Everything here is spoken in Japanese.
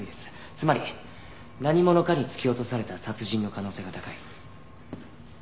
つまり何者かに突き落とされた殺人の可能性が高い。